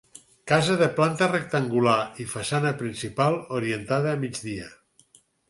Casa de planta rectangular, i façana principal orientada a migdia.